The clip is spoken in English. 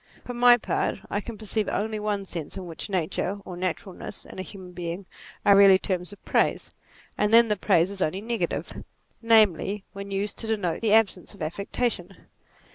For my part I can perceive only one sense in which nature, or naturalness, in a human being, are really terms of praise ; and then the praise is only negative : namely when used to denote the NATURE 61 absence of affectation.